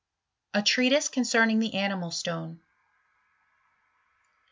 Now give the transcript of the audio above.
A Treatise conceming the Animal Stone.